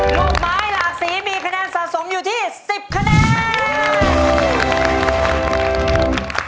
ลูกไม้หลากสีมีคะแนนสะสมอยู่ที่๑๐คะแนน